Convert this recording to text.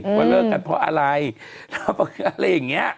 เตือนเลิกกันเพราะอะไรแล้วก็อะไรอย่างงี้